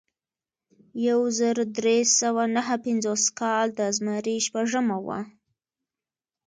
په یو زر درې سوه نهه پنځوس کال د زمري شپږمه وه.